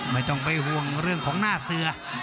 ไม่ต้องไปห่วงเรื่องของหน้าเสือ